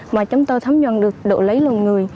mà chúng tôi thấm nhuận được độ lấy lòng người